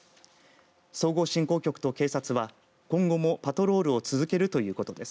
総合振興局と警察は今後もパトロールを続けるということです。